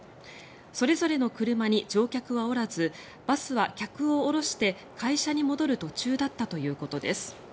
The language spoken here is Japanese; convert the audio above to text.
それぞれの車に乗客はおらずバスは客を降ろして会社に戻る途中だったということです。